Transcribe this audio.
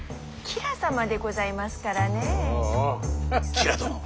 吉良殿。